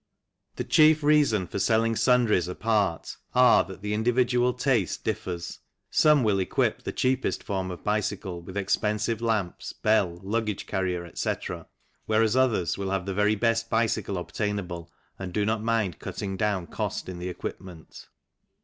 The chief reason for selling sundries apart are that individual taste differs : some will equip the cheapest form of bicycle with expensive lamps, bell, luggage carrier, etc. ; whereas others will have the very best bicycle obtainable and do not mind cutting down cost in the equipment.